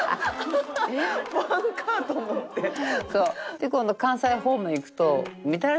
で今度関西方面に行くと。